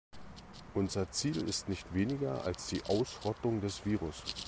Unser Ziel ist nicht weniger als die Ausrottung des Virus.